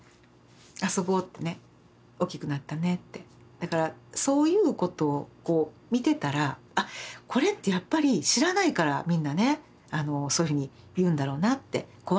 だからそういうことを見てたらあっこれってやっぱり知らないからみんなねそういうふうに言うんだろうなって怖いんだろうなって。